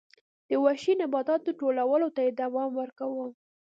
د وحشي نباتاتو ټولولو ته یې دوام ورکاوه